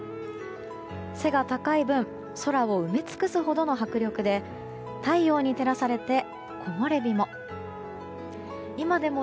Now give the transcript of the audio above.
背が高い分空を埋め尽くすほどの迫力で太陽に照らされて木漏れ日も。